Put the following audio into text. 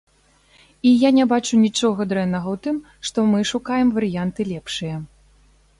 І я не бачу нічога дрэннага ў тым, што мы шукаем варыянты лепшыя.